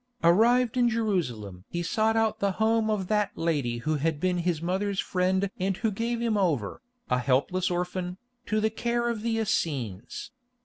Arrived in Jerusalem he sought out the home of that lady who had been his mother's friend and who gave him over, a helpless orphan, to the care of the Essenes.